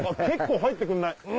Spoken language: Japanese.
結構入ってくんない。